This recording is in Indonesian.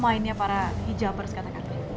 top of mind nya para hijabers katakan